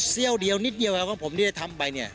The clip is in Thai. เสี้ยวเดียวนิดเดียวแล้วผมได้ทำไป